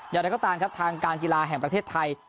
อย่างนั้นก็ตามทางการกีฬาแห่งประเทศไทย